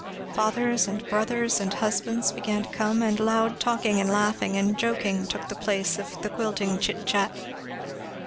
Fathers and brothers and husbands began to come, and loud talking and laughing and joking took place of the quilting chit chat.